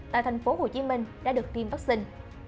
tại thành phố hồ chí minh đã được tiêm vaccine